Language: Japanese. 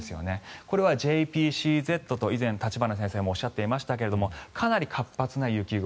これはＪＰＣＺと以前、立花先生もおっしゃっていましたがかなり活発な雪雲。